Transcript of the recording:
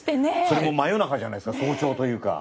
それも真夜中じゃないですか早朝というか。